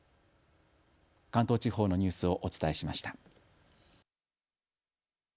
関東地方のニュースをお伝えしました。